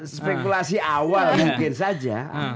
spekulasi awal mungkin saja